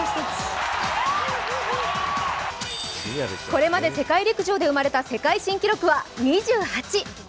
これまで世界陸上で生まれた世界新記録は２８。